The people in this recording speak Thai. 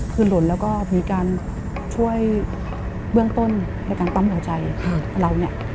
คือหล่นแล้วก็มีการช่วยเบื้องต้นในการปั๊มหัวใจเราเนี่ย